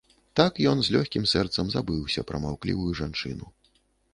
Так ён з лёгкім сэрцам забыўся пра маўклівую жанчыну.